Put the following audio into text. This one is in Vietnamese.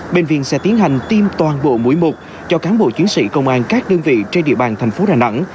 bệnh viện sẽ tiến hành tiêm toàn bộ mũi một cho cán bộ chiến sĩ công an các đơn vị trên địa bàn thành phố đà nẵng